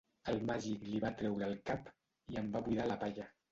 El Màgic li va treure el cap i en va buidar la palla.